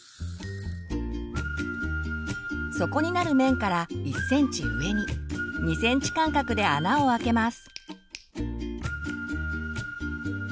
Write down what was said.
底になる面から１ｃｍ上に２ｃｍ間隔で穴を開けます。